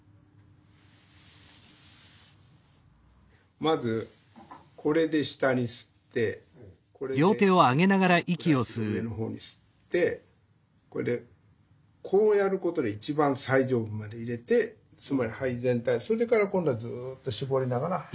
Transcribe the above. まずこれで下に吸ってこれで中くらいというか上の方に吸ってこれでこうやることで一番最上部まで入れてつまり肺全体それから今度はずっと絞りながら。